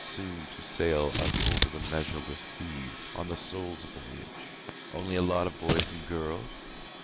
Soon to sail out over the measureless seas, On the Soul's voyage. Only a lot of boys and girls?